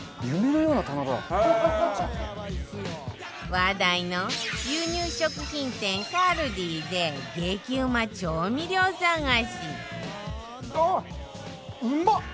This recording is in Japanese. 話題の輸入食品店 ＫＡＬＤＩ で激うま調味料探し